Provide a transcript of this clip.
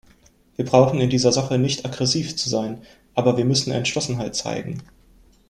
Wir brauchen in dieser Sache nicht aggressiv zu sein, aber wir müssen Entschlossenheit zeigen.